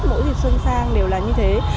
mỗi dịp xuân sang đều là như thế